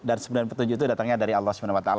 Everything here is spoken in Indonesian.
dan sebenarnya petunjuk itu datangnya dari allah swt